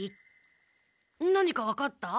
何かわかった？